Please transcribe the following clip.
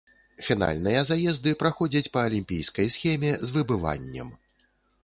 Фінальныя заезды праходзяць па алімпійскай схеме, з выбываннем.